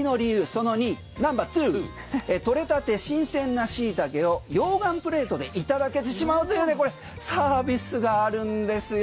その２取れたて新鮮なシイタケを溶岩プレートでいただけてしまうというサービスがあるんですよ。